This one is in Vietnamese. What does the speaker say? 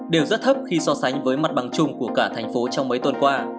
đều rất thấp khi so sánh với mặt bằng chung của cả thành phố trong mấy tuần qua